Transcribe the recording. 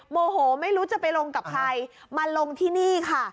โมโหไม่รู้จะไปลงกับใครมาลงที่นี่ค่ะ